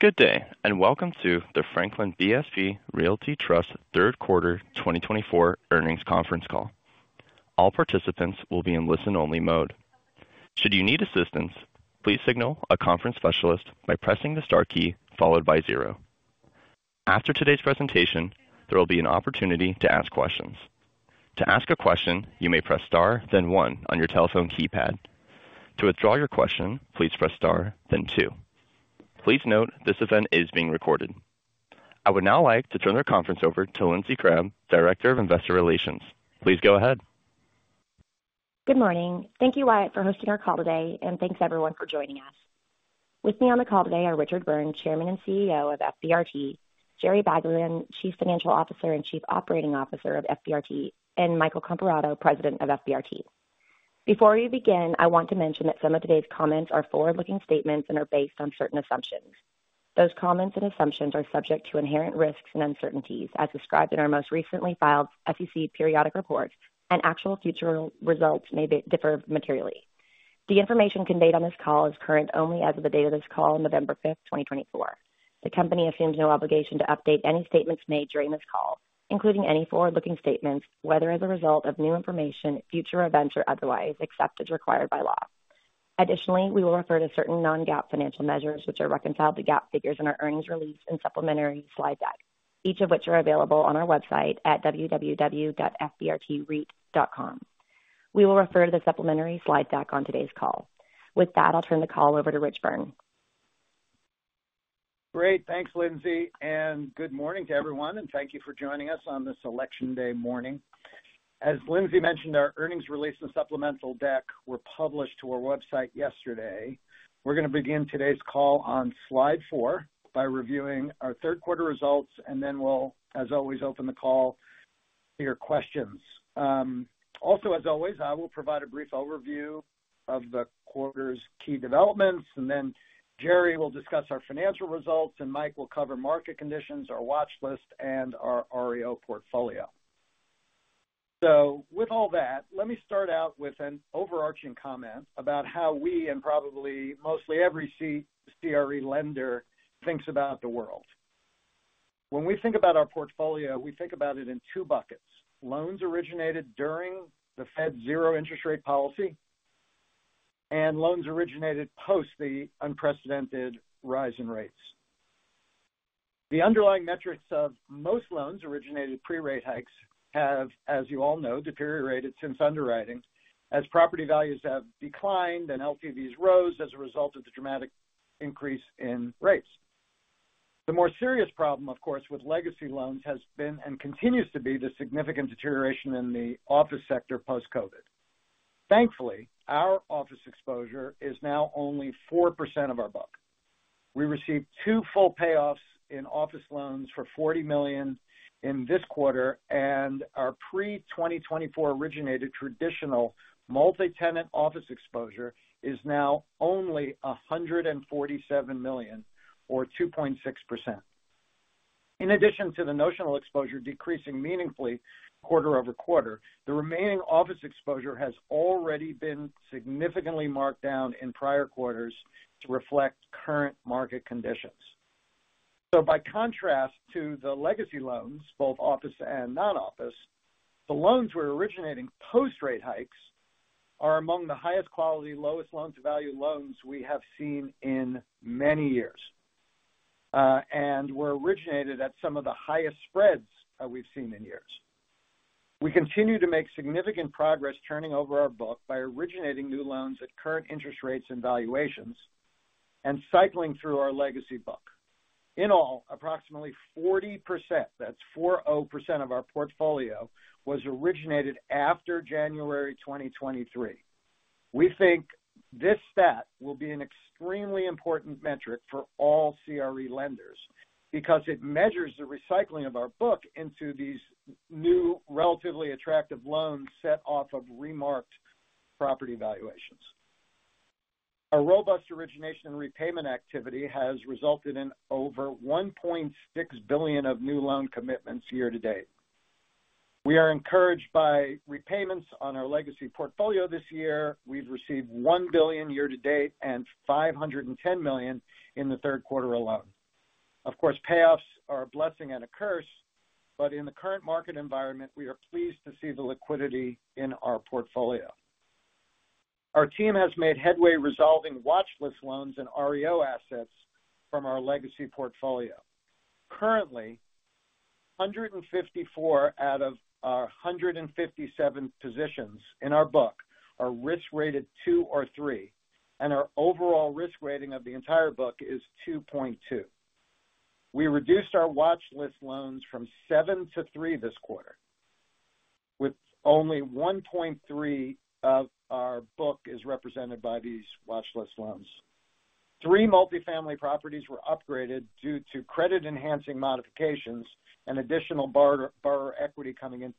Good day, and welcome to the Franklin BSP Realty Trust Third Quarter 2024 Earnings Conference Call. All participants will be in listen-only mode. Should you need assistance, please signal a conference specialist by pressing the star key followed by zero. After today's presentation, there will be an opportunity to ask questions. To ask a question, you may press star, then one on your telephone keypad. To withdraw your question, please press star, then two. Please note this event is being recorded. I would now like to turn the conference over to Lindsay Crabbe, Director of Investor Relations. Please go ahead. Good morning. Thank you, Wyatt, for hosting our call today, and thanks everyone for joining us. With me on the call today are Richard Byrne, Chairman and CEO of FBRT, Jerome Baglien, Chief Financial Officer and Chief Operating Officer of FBRT, and Michael Comparato, President of FBRT. Before we begin, I want to mention that some of today's comments are forward-looking statements and are based on certain assumptions. Those comments and assumptions are subject to inherent risks and uncertainties, as described in our most recently filed SEC periodic report, and actual future results may differ materially. The information conveyed on this call is current only as of the date of this call, November 5th, 2024. The company assumes no obligation to update any statements made during this call, including any forward-looking statements, whether as a result of new information, future events, or otherwise, except as required by law. Additionally, we will refer to certain non-GAAP financial measures, which are reconciled to GAAP figures in our earnings release and supplementary slide deck, each of which are available on our website at www.fbrtre.com. We will refer to the supplementary slide deck on today's call. With that, I'll turn the call over to Rich Byrne. Great. Thanks, Lindsay, and good morning to everyone, and thank you for joining us on this election-day morning. As Lindsay mentioned, our earnings release and supplemental deck were published to our website yesterday. We're going to begin today's call on slide four by reviewing our third quarter results, and then we'll, as always, open the call to your questions. Also, as always, I will provide a brief overview of the quarter's key developments, and then Jerry will discuss our financial results, and Mike will cover market conditions, our watch list, and our REO portfolio. So, with all that, let me start out with an overarching comment about how we, and probably mostly every CRE lender, think about the world. When we think about our portfolio, we think about it in two buckets: loans originated during the Fed's zero interest rate policy and loans originated post the unprecedented rise in rates. The underlying metrics of most loans originated pre-rate hikes have, as you all know, deteriorated since underwriting, as property values have declined and LTVs rose as a result of the dramatic increase in rates. The more serious problem, of course, with legacy loans has been and continues to be the significant deterioration in the office sector post-COVID. Thankfully, our office exposure is now only 4% of our book. We received two full payoffs in office loans for $40 million in this quarter, and our pre-2024 originated traditional multi-tenant office exposure is now only $147 million, or 2.6%. In addition to the notional exposure decreasing meaningfully quarter over quarter, the remaining office exposure has already been significantly marked down in prior quarters to reflect current market conditions. So, by contrast to the legacy loans, both office and non-office, the loans we're originating post-rate hikes are among the highest quality, lowest loan-to-value loans we have seen in many years, and were originated at some of the highest spreads we've seen in years. We continue to make significant progress turning over our book by originating new loans at current interest rates and valuations and cycling through our legacy book. In all, approximately 40%, that's 40% of our portfolio, was originated after January 2023. We think this stat will be an extremely important metric for all CRE lenders because it measures the recycling of our book into these new relatively attractive loans set off of re-marked property valuations. Our robust origination and repayment activity has resulted in over $1.6 billion of new loan commitments year to date. We are encouraged by repayments on our legacy portfolio this year. We've received $1 billion year to date and $510 million in the third quarter alone. Of course, payoffs are a blessing and a curse, but in the current market environment, we are pleased to see the liquidity in our portfolio. Our team has made headway resolving watch list loans and REO assets from our legacy portfolio. Currently, 154 out of our 157 positions in our book are risk-rated two or three, and our overall risk rating of the entire book is 2.2. We reduced our watch list loans from seven to three this quarter, with only 1.3% of our book represented by these watch list loans. Three multifamily properties were upgraded due to credit-enhancing modifications and additional borrower equity coming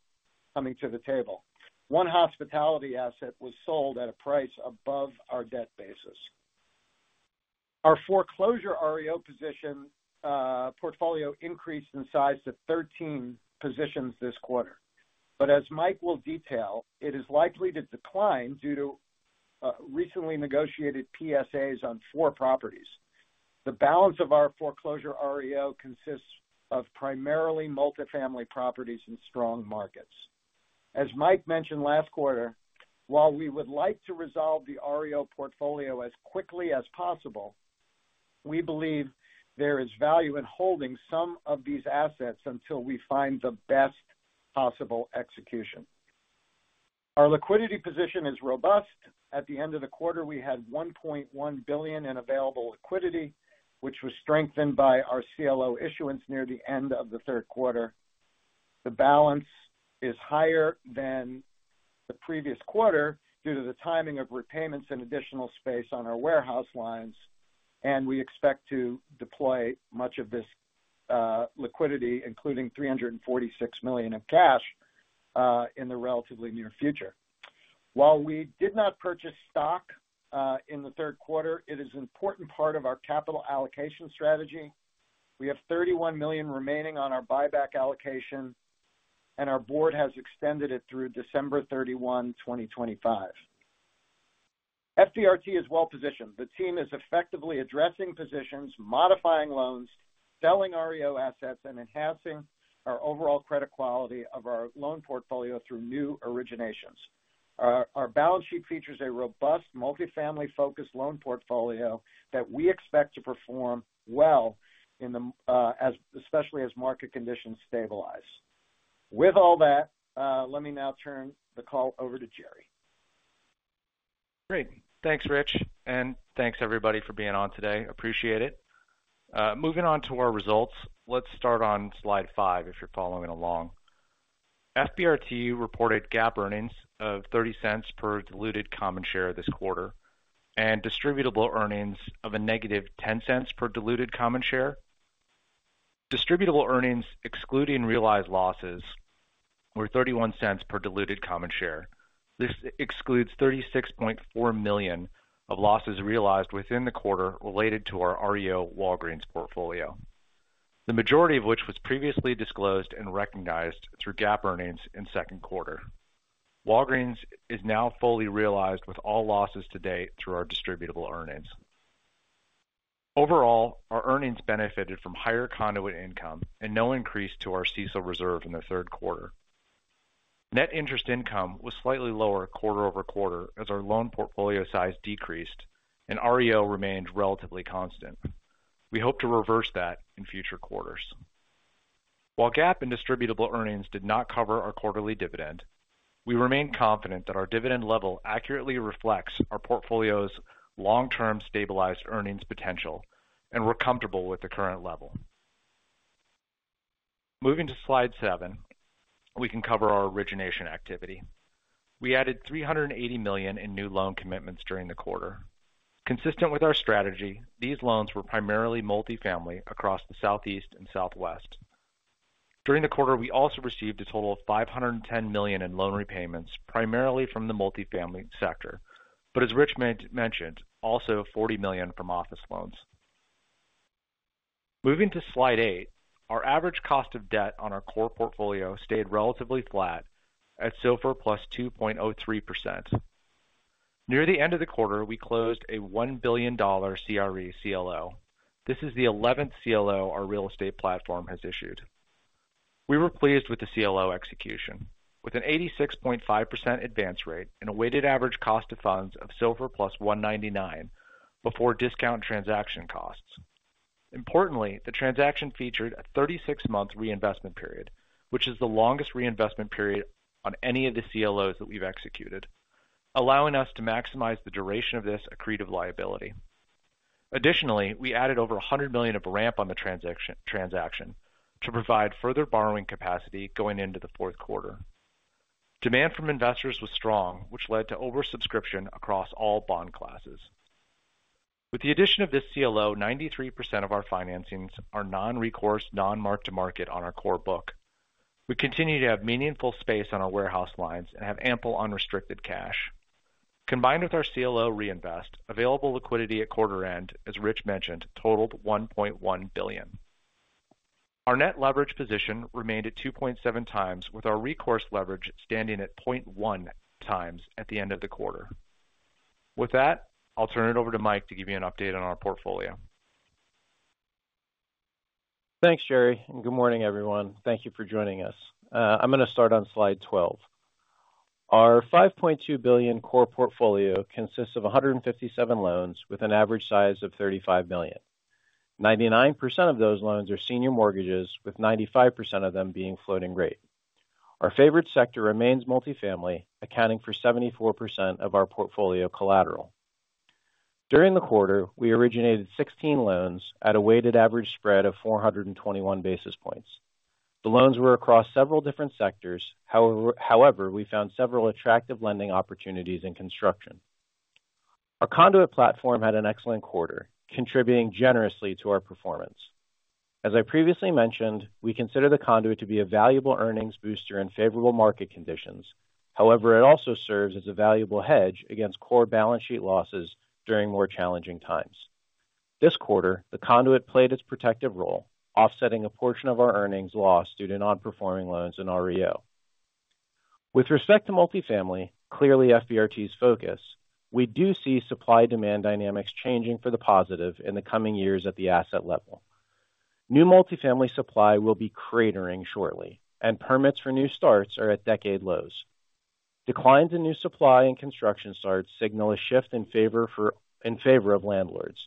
to the table. One hospitality asset was sold at a price above our debt basis. Our foreclosure REO portfolio increased in size to 13 positions this quarter, but as Mike will detail, it is likely to decline due to recently negotiated PSAs on four properties. The balance of our foreclosure REO consists of primarily multifamily properties in strong markets. As Mike mentioned last quarter, while we would like to resolve the REO portfolio as quickly as possible, we believe there is value in holding some of these assets until we find the best possible execution. Our liquidity position is robust. At the end of the quarter, we had $1.1 billion in available liquidity, which was strengthened by our CLO issuance near the end of the third quarter. The balance is higher than the previous quarter due to the timing of repayments and additional space on our warehouse lines, and we expect to deploy much of this liquidity, including $346 million in cash, in the relatively near future. While we did not purchase stock in the third quarter, it is an important part of our capital allocation strategy. We have $31 million remaining on our buyback allocation, and our board has extended it through December 31, 2025. FBRT is well positioned. The team is effectively addressing positions, modifying loans, selling REO assets, and enhancing our overall credit quality of our loan portfolio through new originations. Our balance sheet features a robust multifamily-focused loan portfolio that we expect to perform well, especially as market conditions stabilize. With all that, let me now turn the call over to Jerry. Great. Thanks, Rich, and thanks, everybody, for being on today. Appreciate it. Moving on to our results, let's start on slide five if you're following along. FBRT reported GAAP earnings of $0.30 per diluted common share this quarter and distributable earnings of a negative $0.10 per diluted common share. Distributable earnings, excluding realized losses, were $0.31 per diluted common share. This excludes $36.4 million of losses realized within the quarter related to our REO Walgreens portfolio, the majority of which was previously disclosed and recognized through GAAP earnings in second quarter. Walgreens is now fully realized with all losses to date through our distributable earnings. Overall, our earnings benefited from higher conduit income and no increase to our CECL reserve in the third quarter. Net interest income was slightly lower quarter over quarter as our loan portfolio size decreased, and REO remained relatively constant. We hope to reverse that in future quarters. While GAAP and distributable earnings did not cover our quarterly dividend, we remain confident that our dividend level accurately reflects our portfolio's long-term stabilized earnings potential, and we're comfortable with the current level. Moving to slide seven, we can cover our origination activity. We added $380 million in new loan commitments during the quarter. Consistent with our strategy, these loans were primarily multifamily across the Southeast and Southwest. During the quarter, we also received a total of $510 million in loan repayments, primarily from the multifamily sector, but as Rich mentioned, also $40 million from office loans. Moving to slide eight, our average cost of debt on our core portfolio stayed relatively flat at SOFR plus 2.03%. Near the end of the quarter, we closed a $1 billion CRE CLO. This is the 11th CLO our real estate platform has issued. We were pleased with the CLO execution, with an 86.5% advance rate and a weighted average cost of funds of SOFR plus 199 before discount transaction costs. Importantly, the transaction featured a 36-month reinvestment period, which is the longest reinvestment period on any of the CLOs that we've executed, allowing us to maximize the duration of this accretive liability. Additionally, we added over $100 million of a ramp on the transaction to provide further borrowing capacity going into the fourth quarter. Demand from investors was strong, which led to oversubscription across all bond classes. With the addition of this CLO, 93% of our financings are non-recourse, non-mark-to-market on our core book. We continue to have meaningful space on our warehouse lines and have ample unrestricted cash. Combined with our CLO reinvestment, available liquidity at quarter end, as Rich mentioned, totaled $1.1 billion. Our net leverage position remained at 2.7 times, with our recourse leverage standing at 0.1 times at the end of the quarter. With that, I'll turn it over to Mike to give you an update on our portfolio. Thanks, Jerry, and good morning, everyone. Thank you for joining us. I'm going to start on slide 12. Our $5.2 billion core portfolio consists of 157 loans with an average size of $35 million. 99% of those loans are senior mortgages, with 95% of them being floating rate. Our favorite sector remains multifamily, accounting for 74% of our portfolio collateral. During the quarter, we originated 16 loans at a weighted average spread of 421 basis points. The loans were across several different sectors. However, we found several attractive lending opportunities in construction. Our conduit platform had an excellent quarter, contributing generously to our performance. As I previously mentioned, we consider the conduit to be a valuable earnings booster in favorable market conditions. However, it also serves as a valuable hedge against core balance sheet losses during more challenging times. This quarter, the conduit played its protective role, offsetting a portion of our earnings lost due to non-performing loans and REO. With respect to multifamily, clearly FBRT's focus, we do see supply-demand dynamics changing for the positive in the coming years at the asset level. New multifamily supply will be cratering shortly, and permits for new starts are at decade lows. Declines in new supply and construction starts signal a shift in favor of landlords.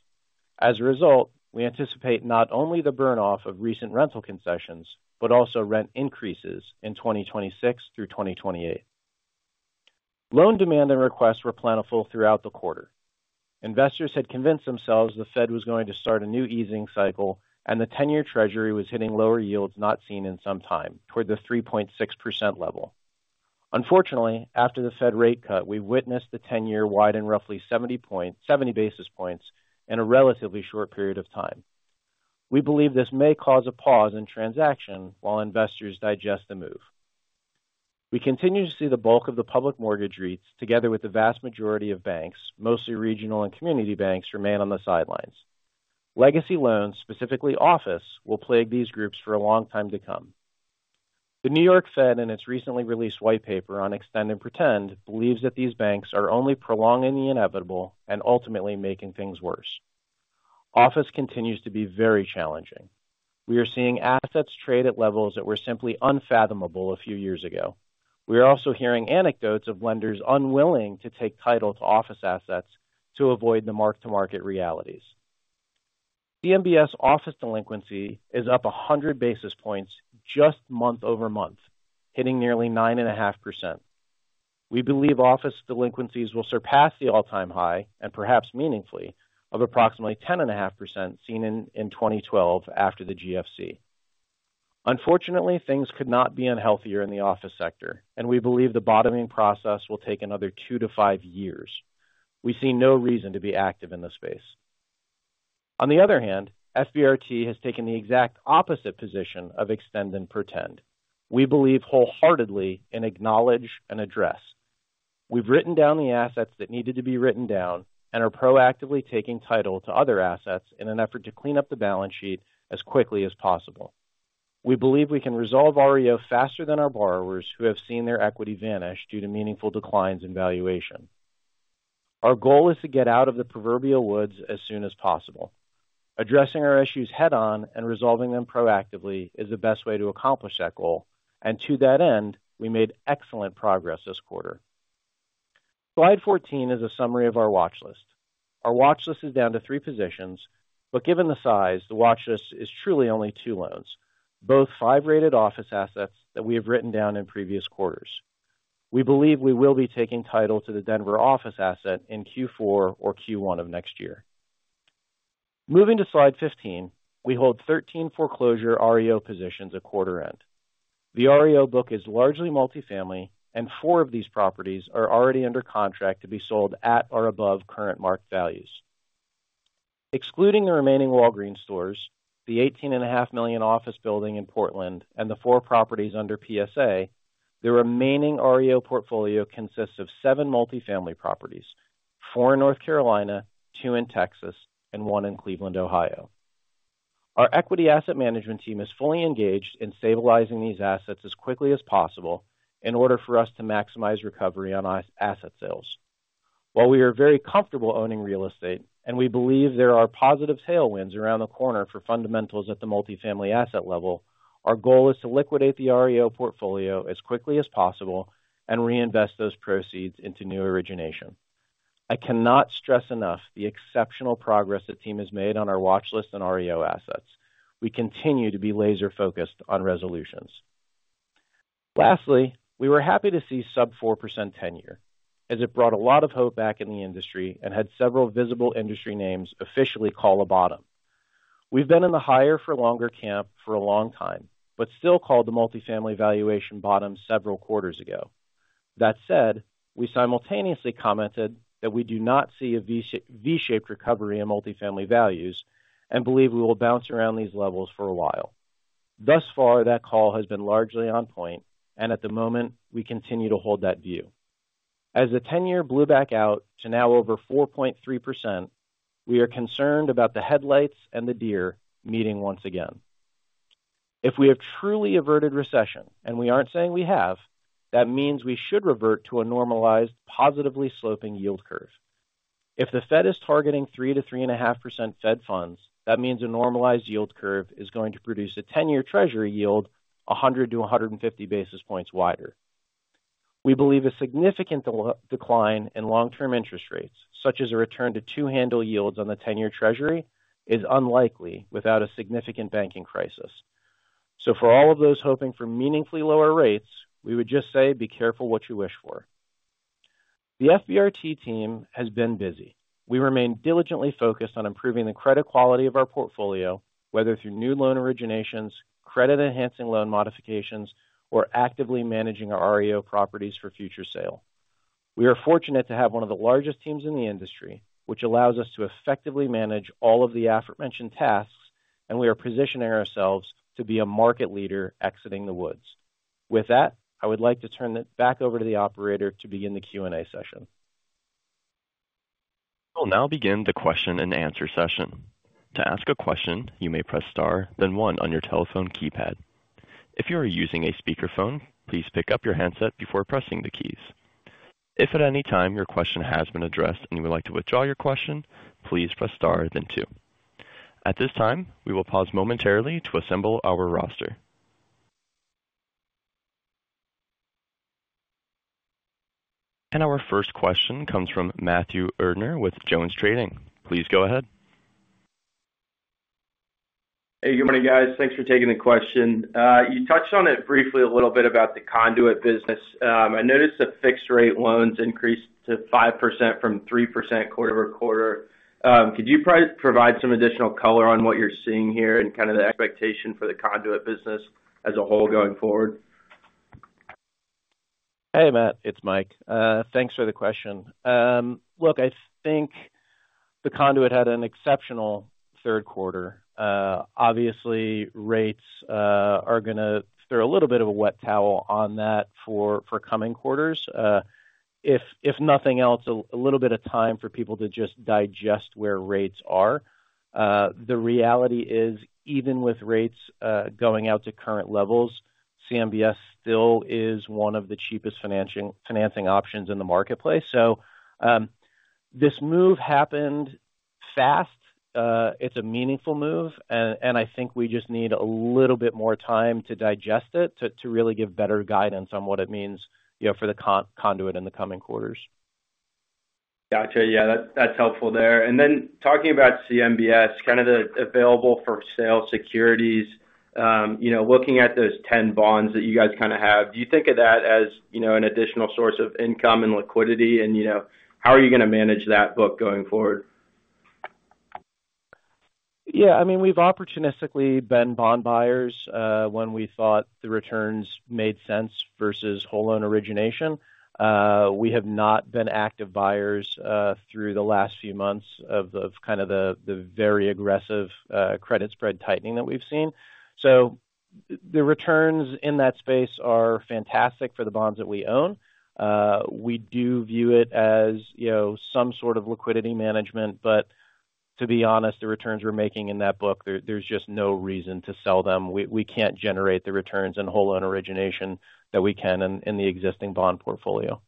As a result, we anticipate not only the burn-off of recent rental concessions, but also rent increases in 2026 through 2028. Loan demand and requests were plentiful throughout the quarter. Investors had convinced themselves the Fed was going to start a new easing cycle, and the 10-Year Treasury was hitting lower yields not seen in some time toward the 3.6% level. Unfortunately, after the Fed rate cut, we witnessed the 10-year widen roughly 70 basis points in a relatively short period of time. We believe this may cause a pause in transactions while investors digest the move. We continue to see the bulk of the public mortgage REITs, together with the vast majority of banks, mostly regional and community banks, remain on the sidelines. Legacy loans, specifically office, will plague these groups for a long time to come. The New York Fed and its recently released white paper on extend and pretend believes that these banks are only prolonging the inevitable and ultimately making things worse. Office continues to be very challenging. We are seeing assets trade at levels that were simply unfathomable a few years ago. We are also hearing anecdotes of lenders unwilling to take title to office assets to avoid the mark-to-market realities. CMBS office delinquency is up 100 basis points just month over month, hitting nearly 9.5%. We believe office delinquencies will surpass the all-time high, and perhaps meaningfully, of approximately 10.5% seen in 2012 after the GFC. Unfortunately, things could not be unhealthier in the office sector, and we believe the bottoming process will take another two to five years. We see no reason to be active in the space. On the other hand, FBRT has taken the exact opposite position of extend and pretend. We believe wholeheartedly and acknowledge and address. We've written down the assets that needed to be written down and are proactively taking title to other assets in an effort to clean up the balance sheet as quickly as possible. We believe we can resolve REO faster than our borrowers who have seen their equity vanish due to meaningful declines in valuation. Our goal is to get out of the proverbial woods as soon as possible. Addressing our issues head-on and resolving them proactively is the best way to accomplish that goal, and to that end, we made excellent progress this quarter. Slide 14 is a summary of our watch list. Our watch list is down to three positions, but given the size, the watch list is truly only two loans, both five-rated office assets that we have written down in previous quarters. We believe we will be taking title to the Denver office asset in Q4 or Q1 of next year. Moving to slide 15, we hold 13 foreclosure REO positions at quarter end. The REO book is largely multifamily, and four of these properties are already under contract to be sold at or above current mark-to-market values. Excluding the remaining Walgreens stores, the $18.5 million office building in Portland, and the four properties under PSA, the remaining REO portfolio consists of seven multifamily properties, four in North Carolina, two in Texas, and one in Cleveland, Ohio. Our equity asset management team is fully engaged in stabilizing these assets as quickly as possible in order for us to maximize recovery on asset sales. While we are very comfortable owning real estate, and we believe there are positive tailwinds around the corner for fundamentals at the multifamily asset level, our goal is to liquidate the REO portfolio as quickly as possible and reinvestment those proceeds into new origination. I cannot stress enough the exceptional progress the team has made on our Watch List and REO assets. We continue to be laser-focused on resolutions. Lastly, we were happy to see sub-4% ten-year, as it brought a lot of hope back in the industry and had several visible industry names officially call a bottom. We've been in the higher-for-longer camp for a long time, but still called the multifamily valuation bottom several quarters ago. That said, we simultaneously commented that we do not see a V-shaped recovery in multifamily values and believe we will bounce around these levels for a while. Thus far, that call has been largely on point, and at the moment, we continue to hold that view. As the 10-year blew back out to now over 4.3%, we are concerned about the headlights and the deer meeting once again. If we have truly averted recession, and we aren't saying we have, that means we should revert to a normalized, positively sloping yield curve. If the Fed is targeting 3%-3.5% Fed funds, that means a normalized yield curve is going to produce a 10-year Treasury yield 100-150 basis points wider. We believe a significant decline in long-term interest rates, such as a return to two-handle yields on the 10-year Treasury, is unlikely without a significant banking crisis, so for all of those hoping for meaningfully lower rates, we would just say, be careful what you wish for. The FBRT team has been busy. We remain diligently focused on improving the credit quality of our portfolio, whether through new loan originations, credit-enhancing loan modifications, or actively managing our REO properties for future sale. We are fortunate to have one of the largest teams in the industry, which allows us to effectively manage all of the aforementioned tasks, and we are positioning ourselves to be a market leader exiting the woods. With that, I would like to turn it back over to the operator to begin the Q&A session. We'll now begin the question-and-answer session. To ask a question, you may press star, then one on your telephone keypad. If you are using a speakerphone, please pick up your handset before pressing the keys. If at any time your question has been addressed and you would like to withdraw your question, please press star, then two. At this time, we will pause momentarily to assemble our roster. And our first question comes from Matthew Erdner with JonesTrading. Please go ahead. Hey, good morning, guys. Thanks for taking the question. You touched on it briefly a little bit about the conduit business. I noticed the fixed-rate loans increased to 5% from 3% quarter over quarter. Could you provide some additional color on what you're seeing here and kind of the expectation for the conduit business as a whole going forward? Hey, Matt. It's Mike. Thanks for the question. Look, I think the conduit had an exceptional third quarter. Obviously, rates are going to throw a little bit of a wet blanket on that for coming quarters. If nothing else, a little bit of time for people to just digest where rates are. The reality is, even with rates going out to current levels, CMBS still is one of the cheapest financing options in the marketplace. So this move happened fast. It's a meaningful move, and I think we just need a little bit more time to digest it to really give better guidance on what it means for the conduit in the coming quarters. Gotcha. Yeah, that's helpful there. And then talking about CMBS, kind of the available for sale securities, looking at those 10 bonds that you guys kind of have, do you think of that as an additional source of income and liquidity, and how are you going to manage that book going forward? Yeah, I mean, we've opportunistically been bond buyers when we thought the returns made sense versus whole loan origination. We have not been active buyers through the last few months of kind of the very aggressive credit spread tightening that we've seen. So the returns in that space are fantastic for the bonds that we own. We do view it as some sort of liquidity management, but to be honest, the returns we're making in that book, there's just no reason to sell them. We can't generate the returns in whole loan origination that we can in the existing bond portfolio.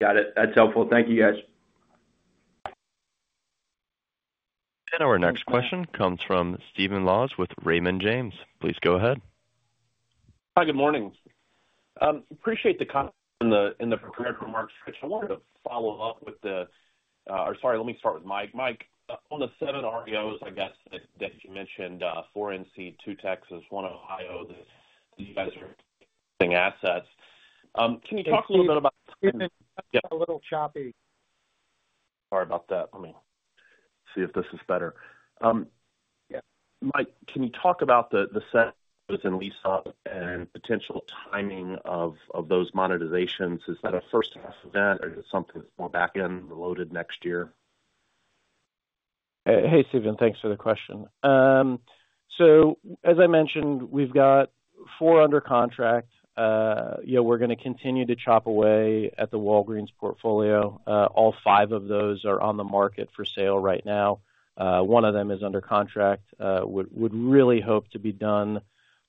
Got it. That's helpful. Thank you, guys. Our next question comes from Stephen Laws with Raymond James. Please go ahead. Hi, good morning. Appreciate the comment in the prepared remarks, Rich. Sorry, let me start with Mike. Mike, on the seven REOs, I guess, that you mentioned, four in Seattle, two Texas, one Ohio, that you guys are using assets. Can you talk a little bit about? It's getting a little choppy. Sorry about that. Let me see if this is better. Mike, can you talk about the asset and lease-out and potential timing of those monetizations? Is that a first-half event, or is it something that's more back-end loaded next year? Hey, Stephen, thanks for the question. So as I mentioned, we've got four under contract. We're going to continue to chop away at the Walgreens portfolio. All five of those are on the market for sale right now. One of them is under contract. Would really hope to be done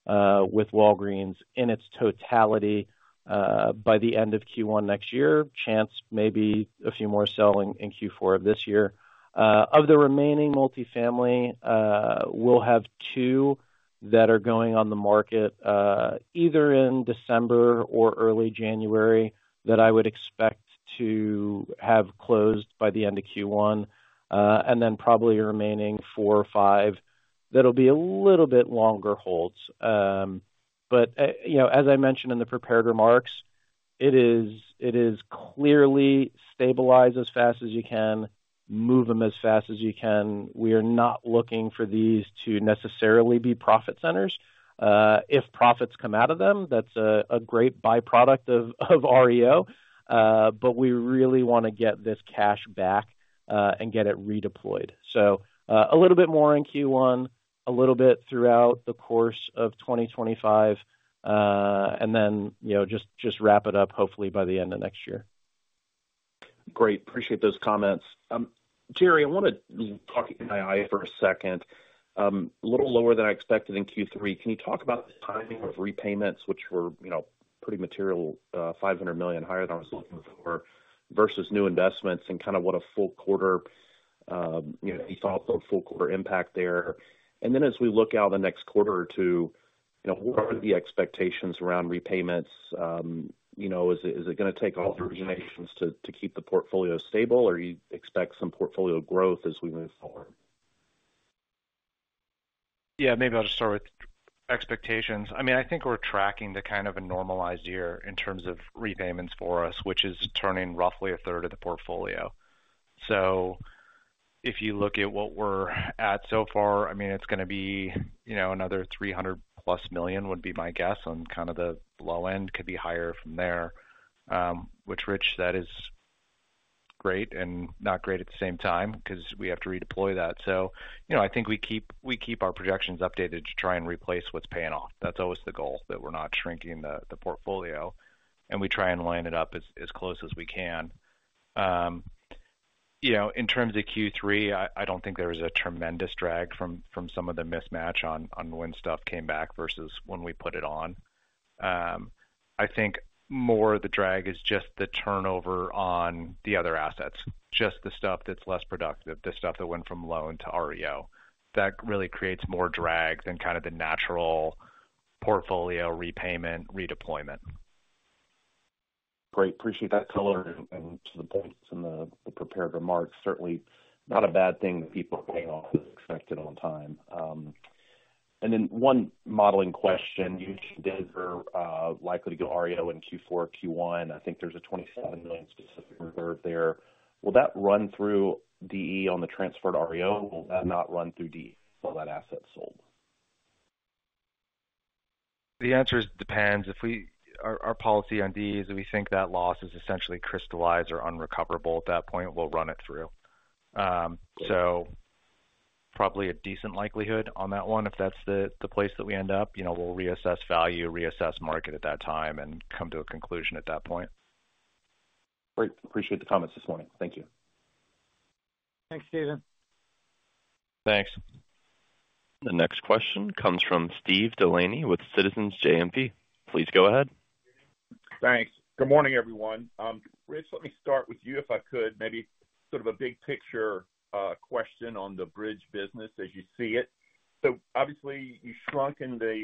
with Walgreens in its totality by the end of Q1 next year. Chance maybe a few more selling in Q4 of this year. Of the remaining multifamily, we'll have two that are going on the market either in December or early January that I would expect to have closed by the end of Q1, and then probably remaining four or five that'll be a little bit longer holds. But as I mentioned in the prepared remarks, it is clearly stabilize as fast as you can, move them as fast as you can. We are not looking for these to necessarily be profit centers. If profits come out of them, that's a great byproduct of REO, but we really want to get this cash back and get it redeployed. So a little bit more in Q1, a little bit throughout the course of 2025, and then just wrap it up hopefully by the end of next year. Great. Appreciate those comments. Jerry, I want to talk to you about the yield for a second. A little lower than I expected in Q3. Can you talk about the timing of repayments, which were pretty material, $500 million higher than I was looking for, versus new investments and kind of what a full quarter you thought the full quarter impact there. And then as we look out the next quarter or two, what are the expectations around repayments? Is it going to take all the originations to keep the portfolio stable, or do you expect some portfolio growth as we move forward? Yeah, maybe I'll just start with expectations. I mean, I think we're tracking the kind of a normalized year in terms of repayments for us, which is turning roughly a third of the portfolio. So if you look at what we're at so far, I mean, it's going to be another $300-plus million would be my guess on kind of the low end. Could be higher from there, which, Rich, that is great and not great at the same time because we have to redeploy that. So I think we keep our projections updated to try and replace what's paying off. That's always the goal, that we're not shrinking the portfolio, and we try and line it up as close as we can. In terms of Q3, I don't think there was a tremendous drag from some of the mismatch on when stuff came back versus when we put it on. I think more of the drag is just the turnover on the other assets, just the stuff that's less productive, the stuff that went from loan to REO. That really creates more drag than kind of the natural portfolio repayment redeployment. Great. Appreciate that color and to the points in the prepared remarks. Certainly not a bad thing that people are paying off as expected on time. And then one modeling question you did for likely to go REO in Q4, Q1. I think there's a $27 million specific reserve there. Will that run through DE on the transferred REO, or will that not run through DE until that asset's sold? The answer is, it depends. Our policy on DE is that we think that loss is essentially crystallized or unrecoverable at that point. We'll run it through. So probably a decent likelihood on that one. If that's the place that we end up, we'll reassess value, reassess market at that time, and come to a conclusion at that point. Great. Appreciate the comments this morning. Thank you. Thanks, Stephen. Thanks. The next question comes from Steven Delaney with Citizens JMP. Please go ahead. Thanks. Good morning, everyone. Rich, let me start with you if I could, maybe sort of a big picture question on the bridge business as you see it. So obviously, you shrunk in the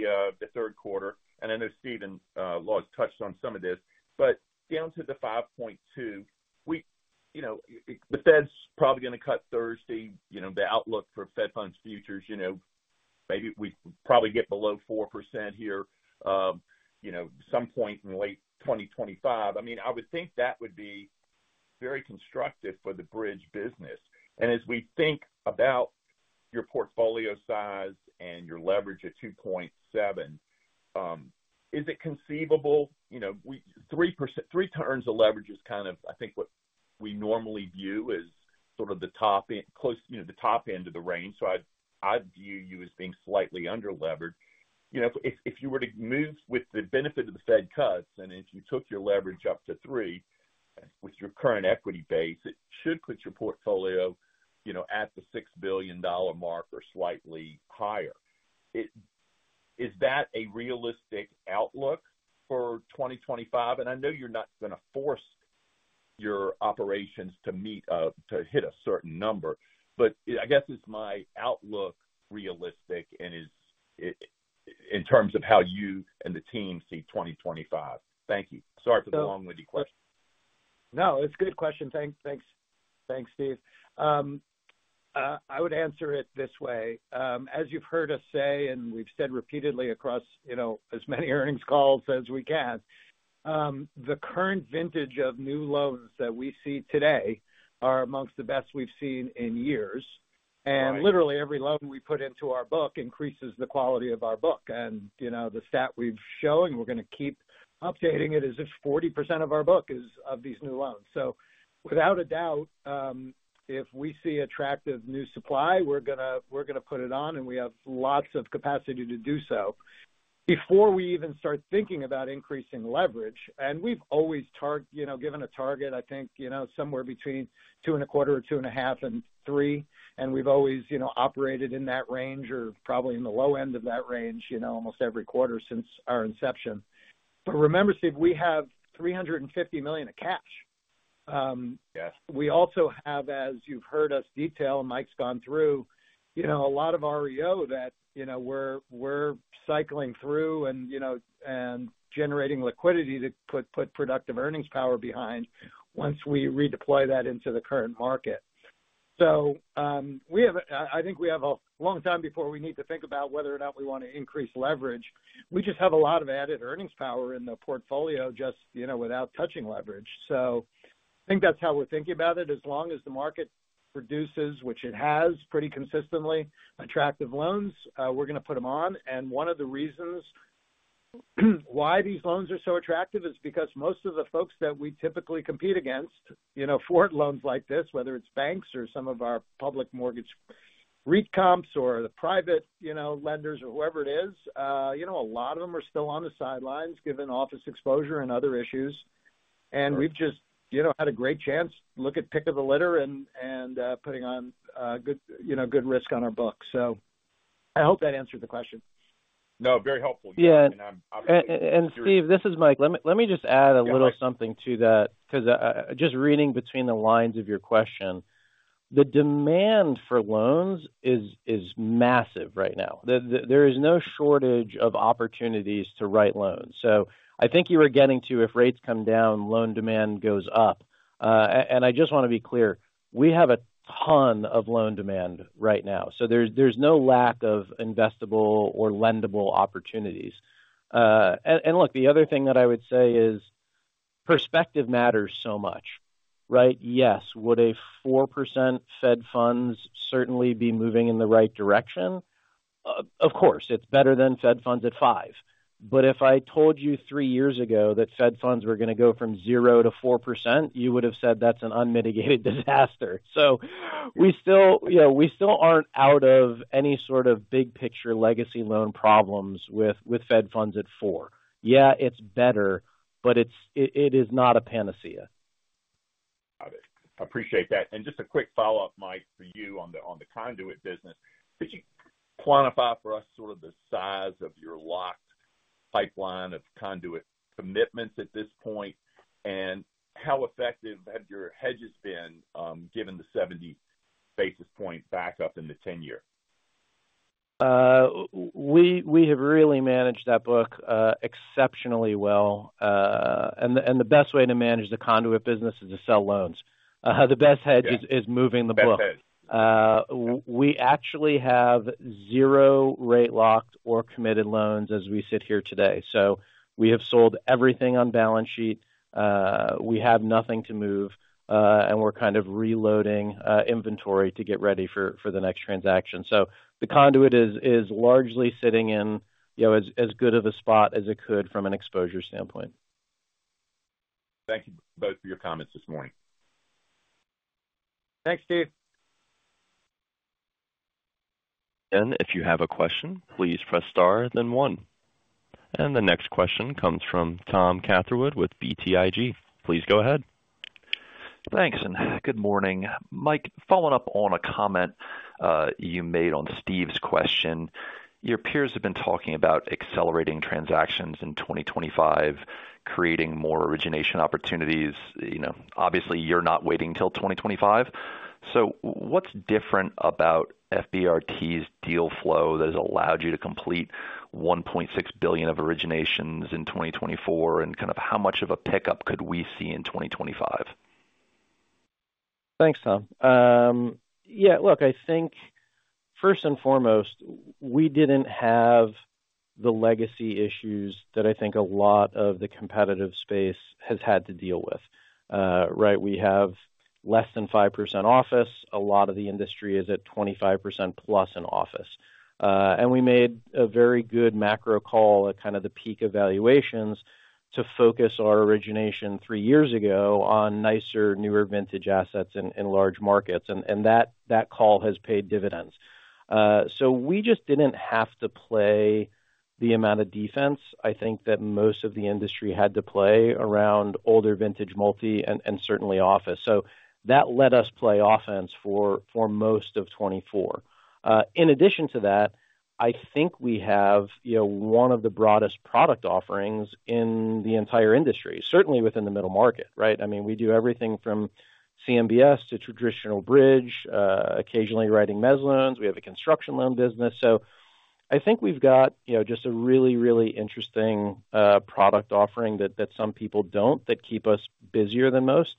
third quarter, and I know Stephen Laws touched on some of this. But down to the 5.2%, the Fed's probably going to cut Thursday. The outlook for Fed funds futures, maybe we probably get below 4% here at some point in late 2025. I mean, I would think that would be very constructive for the bridge business. And as we think about your portfolio size and your leverage at 2.7, is it conceivable? Three turns of leverage is kind of, I think, what we normally view as sort of the top end, close to the top end of the range. So I'd view you as being slightly under-levered. If you were to move with the benefit of the Fed cuts, and if you took your leverage up to three with your current equity base, it should put your portfolio at the $6 billion mark or slightly higher. Is that a realistic outlook for 2025? And I know you're not going to force your operations to hit a certain number, but I guess, is my outlook realistic in terms of how you and the team see 2025? Thank you. Sorry for the long-winded question. No, it's a good question. Thanks, Steven. I would answer it this way. As you've heard us say, and we've said repeatedly across as many earnings calls as we can, the current vintage of new loans that we see today are amongst the best we've seen in years. And literally, every loan we put into our book increases the quality of our book. And the stat we've shown, and we're going to keep updating it, is that 40% of our book is of these new loans. So without a doubt, if we see attractive new supply, we're going to put it on, and we have lots of capacity to do so. Before we even start thinking about increasing leverage, and we've always given a target, I think, somewhere between two and a quarter or two and a half and three, and we've always operated in that range or probably in the low end of that range almost every quarter since our inception. But remember, Steven, we have $350 million of cash. We also have, as you've heard us detail, and Mike's gone through, a lot of REO that we're cycling through and generating liquidity to put productive earnings power behind once we redeploy that into the current market. So I think we have a long time before we need to think about whether or not we want to increase leverage. We just have a lot of added earnings power in the portfolio just without touching leverage. So I think that's how we're thinking about it. As long as the market produces, which it has pretty consistently, attractive loans, we're going to put them on. And one of the reasons why these loans are so attractive is because most of the folks that we typically compete against, for loans like this, whether it's banks or some of our public mortgage REITs or the private lenders or whoever it is, a lot of them are still on the sidelines given office exposure and other issues. And we've just had a great chance to look at pick of the litter and putting on good risk on our book. So I hope that answered the question. No, very helpful. Yeah. And Steven, this is Mike. Let me just add a little something to that because just reading between the lines of your question, the demand for loans is massive right now. There is no shortage of opportunities to write loans. So I think you were getting to, if rates come down, loan demand goes up. And I just want to be clear, we have a ton of loan demand right now. So there's no lack of investable or lendable opportunities. And look, the other thing that I would say is perspective matters so much, right? Yes, would a 4% Fed funds certainly be moving in the right direction? Of course, it's better than Fed funds at 5%. But if I told you three years ago that Fed funds were going to go from 0% to 4%, you would have said that's an unmitigated disaster. So we still aren't out of any sort of big picture legacy loan problems with Fed funds at 4%. Yeah, it's better, but it is not a panacea. Got it. Appreciate that. And just a quick follow-up, Mike, for you on the conduit business. Could you quantify for us sort of the size of your locked pipeline of conduit commitments at this point, and how effective have your hedges been given the 70 basis points backup in the 10-year? We have really managed that book exceptionally well. And the best way to manage the conduit business is to sell loans. The best hedge is moving the book. We actually have zero rate locked or committed loans as we sit here today. So we have sold everything on balance sheet. We have nothing to move, and we're kind of reloading inventory to get ready for the next transaction. So the conduit is largely sitting in as good of a spot as it could from an exposure standpoint. Thank you both for your comments this morning. Thanks, Steven. If you have a question, please press star, then one. The next question comes from Tom Catherwood with BTIG. Please go ahead. Thanks. And good morning. Mike, following up on a comment you made on Steven's question, your peers have been talking about accelerating transactions in 2025, creating more origination opportunities. Obviously, you're not waiting until 2025. So what's different about FBRT's deal flow that has allowed you to complete $1.6 billion of originations in 2024, and kind of how much of a pickup could we see in 2025? Thanks, Tom. Yeah, look, I think first and foremost, we didn't have the legacy issues that I think a lot of the competitive space has had to deal with, right? We have less than 5% office. A lot of the industry is at 25% plus in office. And we made a very good macro call at kind of the peak valuations to focus our origination three years ago on nicer, newer vintage assets in large markets. And that call has paid dividends. So we just didn't have to play the amount of defense. I think that most of the industry had to play around older vintage multi and certainly office. So that let us play offense for most of 2024. In addition to that, I think we have one of the broadest product offerings in the entire industry, certainly within the middle market, right? I mean, we do everything from CMBS to traditional bridge, occasionally writing mezz loans. We have a construction loan business. So I think we've got just a really, really interesting product offering that some people don't that keep us busier than most.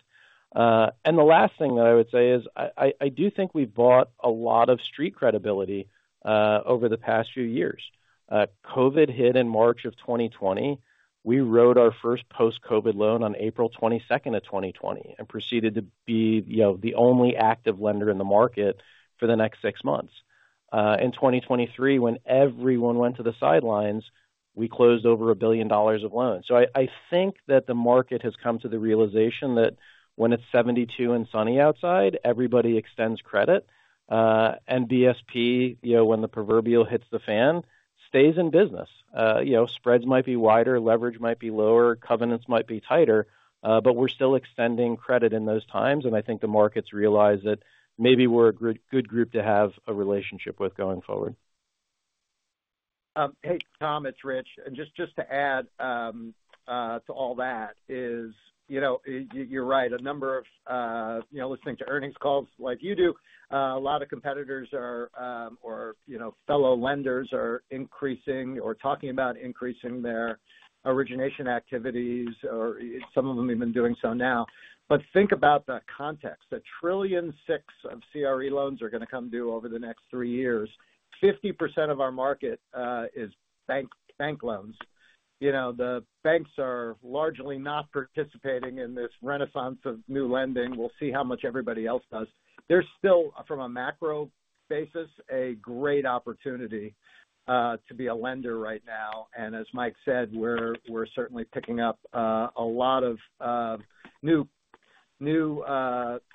And the last thing that I would say is I do think we've bought a lot of street credibility over the past few years. COVID hit in March of 2020. We wrote our first post-COVID loan on April 22nd of 2020 and proceeded to be the only active lender in the market for the next six months. In 2023, when everyone went to the sidelines, we closed over $1 billion of loans. So I think that the market has come to the realization that when it's 72 and sunny outside, everybody extends credit. And BSP, when the proverbial hits the fan, stays in business. Spreads might be wider, leverage might be lower, covenants might be tighter, but we're still extending credit in those times. And I think the markets realize that maybe we're a good group to have a relationship with going forward. Hey, Tom, it's Rich, and just to add to all that, you're right. A number of listening to earnings calls like you do, a lot of competitors or fellow lenders are increasing or talking about increasing their origination activities, or some of them even doing so now, but think about the context. $1.6 trillion of CRE loans are going to come due over the next three years. 50% of our market is bank loans. The banks are largely not participating in this renaissance of new lending. We'll see how much everybody else does. There's still, from a macro basis, a great opportunity to be a lender right now, and as Mike said, we're certainly picking up a lot of new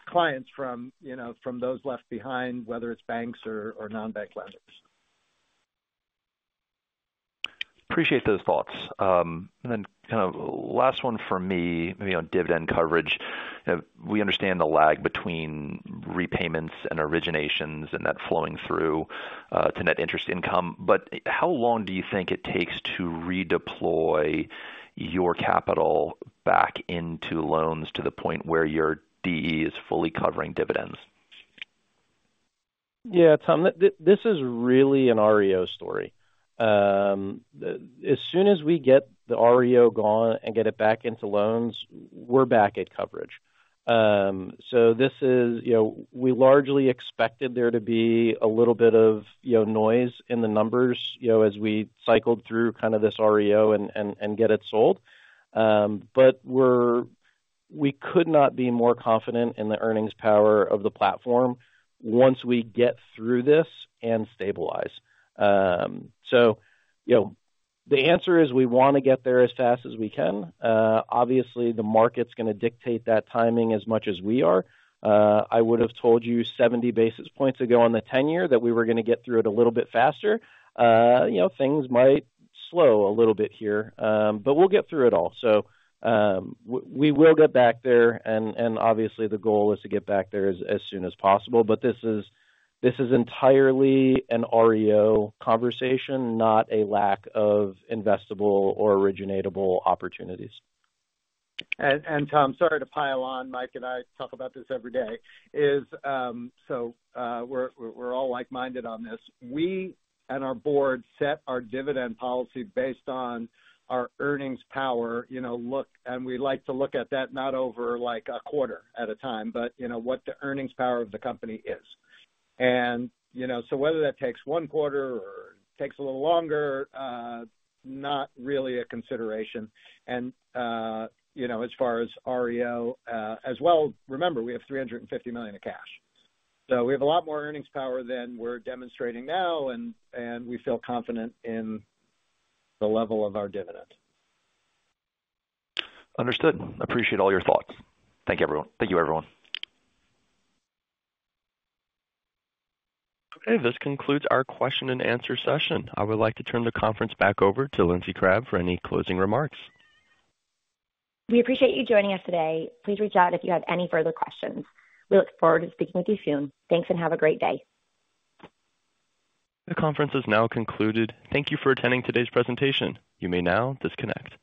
clients from those left behind, whether it's banks or non-bank lenders. Appreciate those thoughts. And then kind of last one for me, maybe on dividend coverage. We understand the lag between repayments and originations and that flowing through to net interest income. But how long do you think it takes to redeploy your capital back into loans to the point where your DE is fully covering dividends? Yeah, Tom, this is really an REO story. As soon as we get the REO gone and get it back into loans, we're back at coverage. So we largely expected there to be a little bit of noise in the numbers as we cycled through kind of this REO and get it sold. But we could not be more confident in the earnings power of the platform once we get through this and stabilize. So the answer is we want to get there as fast as we can. Obviously, the market's going to dictate that timing as much as we are. I would have told you 70 basis points ago on the 10-year that we were going to get through it a little bit faster. Things might slow a little bit here, but we'll get through it all. So we will get back there. And obviously, the goal is to get back there as soon as possible. But this is entirely an REO conversation, not a lack of investable or originatable opportunities. Tom, sorry to pile on. Mike and I talk about this every day. So we're all like-minded on this. We and our board set our dividend policy based on our earnings power. And we like to look at that not over like a quarter at a time, but what the earnings power of the company is. And so whether that takes one quarter or takes a little longer, not really a consideration. And as far as REO as well, remember, we have $350 million of cash. So we have a lot more earnings power than we're demonstrating now, and we feel confident in the level of our dividend. Understood. Appreciate all your thoughts. Thank you, everyone. Okay. This concludes our question and answer session. I would like to turn the conference back over to Lindsay Crabbe for any closing remarks. We appreciate you joining us today. Please reach out if you have any further questions. We look forward to speaking with you soon. Thanks and have a great day. The conference is now concluded. Thank you for attending today's presentation. You may now disconnect.